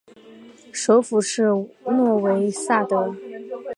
首府是诺维萨德。